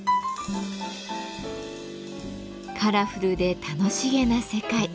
カラフルで楽しげな世界。